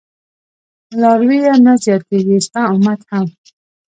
لارويه نه زياتېږي ستا امت هم